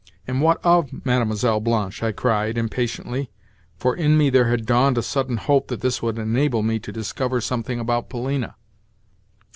"And what of Mlle. Blanche?" I cried impatiently (for in me there had dawned a sudden hope that this would enable me to discover something about Polina).